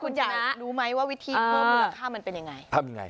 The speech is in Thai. คุณจ่ายรู้ไหมว่าวิธีเพิ่มเมื่อค่ามันเป็นยังไง